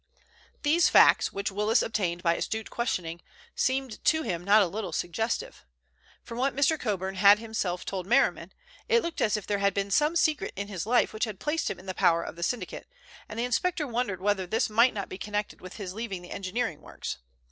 These facts, which Willis obtained by astute questioning, seemed to him not a little suggestive. From what Mr. Coburn had himself told Merriman, it looked as if there had been some secret in his life which had placed him in the power of the syndicate, and the inspector wondered whether this might not be connected with his leaving the engineering works.